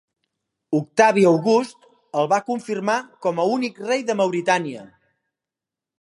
Octavi August el va confirmar com a únic rei de Mauritània.